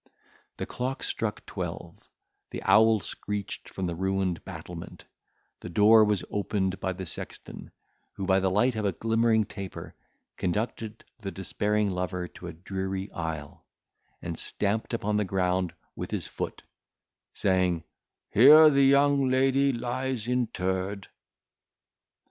The clock struck twelve, the owl screeched from the ruined battlement, the door was opened by the sexton, who, by the light of a glimmering taper, conducted the despairing lover to a dreary aisle, and stamped upon the ground with his foot, saying, "Here the young lady lies interred."